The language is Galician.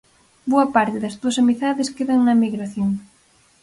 Boa parte das túas amizades quedan na emigración.